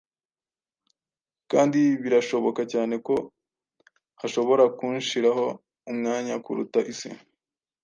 kandi birashoboka cyane ko hashobora kunshiraho umwanya kuruta isi